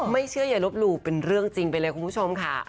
ไม่เชื่ออย่าลบหลู่เป็นเรื่องจริงไปเลยคุณผู้ชมค่ะ